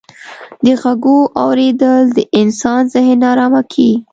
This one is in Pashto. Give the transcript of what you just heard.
د ږغو اورېدل د انسان ذهن ناآرامه کيي.